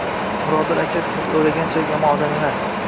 Mirodil aka siz o`ylaganchalik yomon odam emas